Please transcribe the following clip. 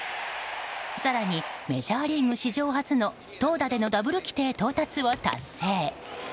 更にメジャーリーグ史上初の投打でのダブル規定到達を達成。